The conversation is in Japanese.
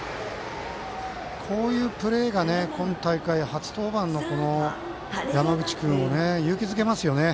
こういうプレーが今大会初登板の山口君を勇気づけますよね。